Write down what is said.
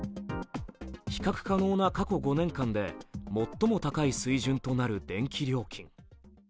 比較可能な過去５年間で最も高い水準となる電気料金。